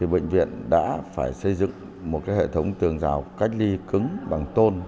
bệnh viện đã phải xây dựng một hệ thống tường rào cách ly cứng bằng tôn